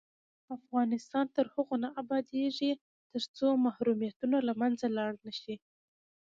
افغانستان تر هغو نه ابادیږي، ترڅو محرومیتونه له منځه لاړ نشي.